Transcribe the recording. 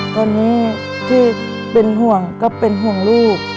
ตอนนี้ที่เป็นห่วงก็เป็นห่วงลูก